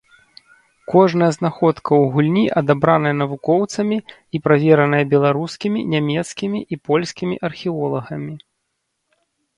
Кожная знаходка ў гульні адабраная навукоўцамі і правераная беларускімі, нямецкімі і польскімі археолагамі.